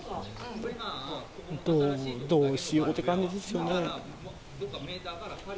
どうしようって感じですよね。